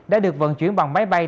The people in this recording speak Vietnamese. đã được vận chuyển bằng máy bay